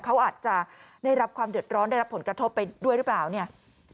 เขาอาจจะได้รับความเดือดร้อนได้รับผลกระทบไปด้วยหรือเปล่าเนี่ย